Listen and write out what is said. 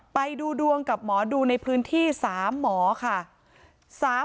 ไปดูดวงกับหมอดูในพื้นที่๓หมอค่ะ